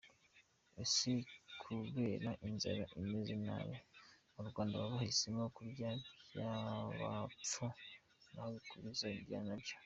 Ese kubera inzara imeze nabi mu Rwanda baba bahisemo kurya iby’abapfu ahokubisubiza nabyo?